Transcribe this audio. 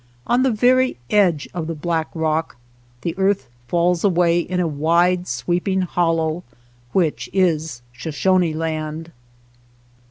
On the very edge of the black rock the earth falls away in a wide sweeping hollow, which is Sho shone Land.